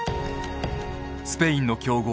スペインの強豪